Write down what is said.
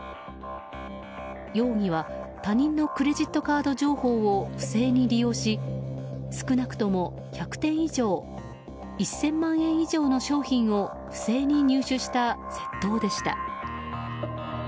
容疑は他人のクレジットカード情報を不正に利用し少なくとも１００点以上１０００万円以上の商品を不正に入手した窃盗でした。